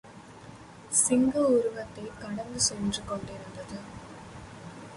சிங்க உருவத்தைக் கடந்து சென்று கொண்டிருந்தது.